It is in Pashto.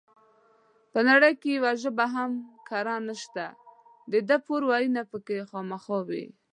په نړۍ کې يوه ژبه هم کره نشته ده پور وييونه پکې خامخا وي